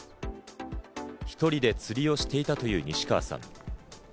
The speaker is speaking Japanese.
１人で釣りをしていたという西川さん。